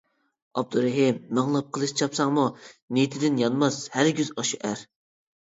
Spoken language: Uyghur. ئابدۇرېھىم، مىڭلاپ قىلىچ چاپساڭمۇ نىيىتىدىن يانماس ھەرگىز ئاشۇ ئەر.